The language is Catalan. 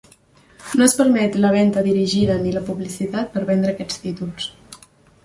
No es permet la venta dirigida ni la publicitat per vendre aquests títols.